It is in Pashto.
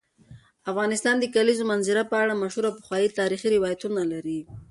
افغانستان د کلیزو منظره په اړه مشهور او پخواي تاریخی روایتونه لري.